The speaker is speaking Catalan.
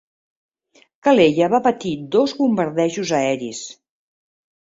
Calella va patir dos bombardejos aeris.